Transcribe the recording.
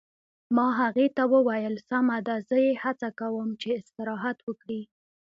ما هغې ته وویل: سمه ده، زه یې هڅه کوم چې استراحت وکړي.